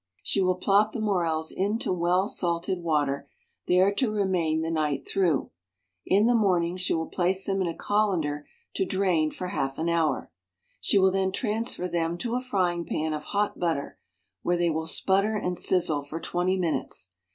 She will plop the Morels into well salted water, there to remain the night through. In the morning she will place them in a colander to drain for half an hour. She will then transfer them to a fry ing pan of hot butter, where they will sputter and sizzle for twenty minutes.